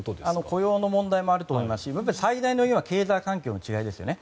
雇用の問題もあると思いますし最大の要因は経済環境の違いですよね。